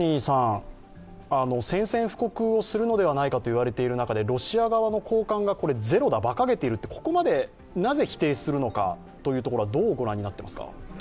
宣戦布告をするのではないかと予測がある中で、ロシア側の高官がゼロだ、ばかげている、ここまでなぜ否定するのかというところはどうご覧になっていますか？